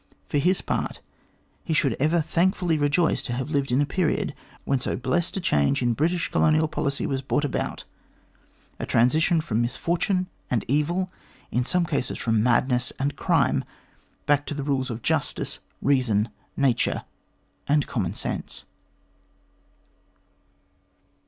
For his part, he should ever thankfully rejoice to have lived in a period when so blessed a change in British colonial policy was brought about a transition from misfortune and evil, in some cases from madness and crime, back to the rules of justice, reason, nature, and common sense.